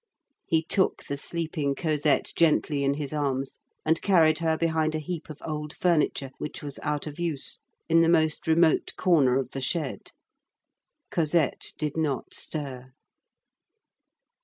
He took the sleeping Cosette gently in his arms and carried her behind a heap of old furniture, which was out of use, in the most remote corner of the shed. Cosette did not stir.